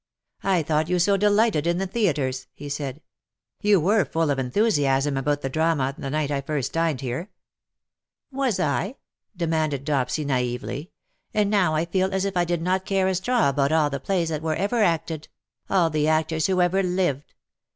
" I thought you so delighted in the theatres/^ he said. " You were full of enthusiasm about the drama the night I first dined here.'''' " Was I V demanded Dopsy, naively. '^ And now I feel as if I did not care a straw about all the plays that were ever acted — all the actors who ever lived.